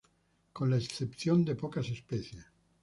Con la excepción de pocas especies.